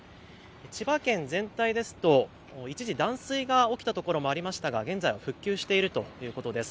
千葉県全体ですと一時、断水が起きたところもありましたが現在は復旧しているということです。